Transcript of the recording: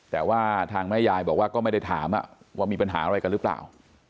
แต่ว่าทางแม่ยายบอกว่าก็ไม่ได้ถามว่ามีปัญหาอะไรกันหรือเปล่า